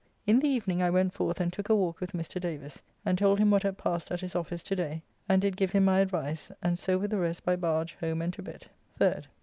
In the evening I went forth and took a walk with Mr. Davis, and told him what had passed at his office to day, and did give him my advice, and so with the rest by barge home and to bed 3rd.